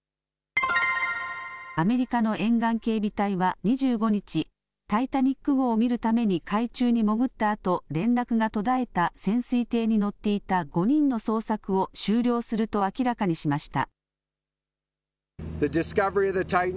アメリカの沿岸警備隊は２５日、タイタニック号を見るために海中に潜ったあと連絡が途絶えた潜水艇に乗っていた５人の捜索を終了すると明らかにしました。